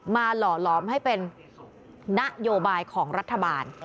หล่อหลอมให้เป็นนโยบายของรัฐบาล